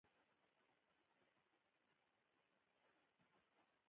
د ځوان افغان لوبغاړو وړتیا په نړیوالو ټورنمنټونو کې څرګنده شوې ده.